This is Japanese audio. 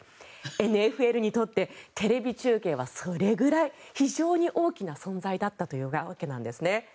ＮＦＬにとってテレビ中継はそれぐらい非常に大きな存在だったというわけなんですね。